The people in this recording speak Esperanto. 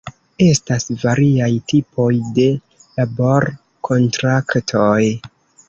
Estas variaj tipoj de labor-kontraktoj.